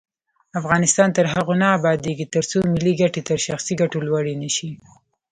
افغانستان تر هغو نه ابادیږي، ترڅو ملي ګټې تر شخصي ګټو لوړې نشي.